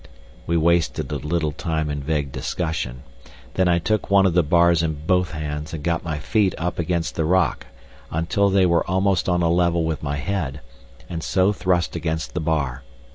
We wasted a little time in vague discussion. Then I took one of the bars in both hands, and got my feet up against the rock until they were almost on a level with my head, and so thrust against the bar.